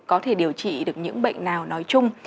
có thể điều trị được những bệnh nào nói chung